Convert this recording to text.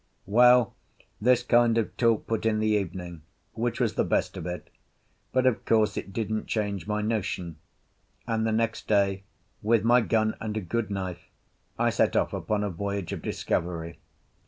Well, this kind of talk put in the evening, which was the best of it; but of course it didn't change my notion, and the next day, with my gun and a good knife, I set off upon a voyage of discovery.